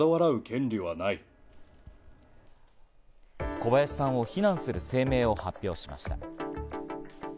小林さんを非難する声明を発表しました。